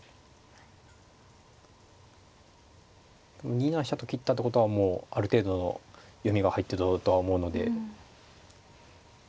２七飛車と切ったってことはもうある程度の読みが入ってるとは思うので。